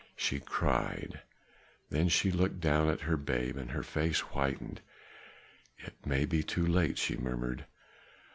she cried; then she looked down at her babe, and her face whitened. "It may be too late," she murmured.